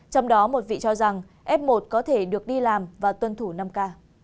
trong đó một vị cho rằng f một có thể được đi làm và tuân thủ năm k